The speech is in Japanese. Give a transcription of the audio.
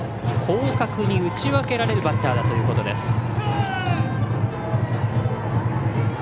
広角に打ち分けられるバッターだということです。